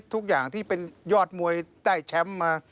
ทุกอย่างที่เป็นยอดมวยได้แชมป์มา